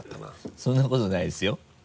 そんなことないですよ。